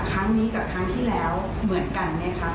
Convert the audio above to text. ครั้งนี้กับครั้งที่แล้วเหมือนกันไหมคะ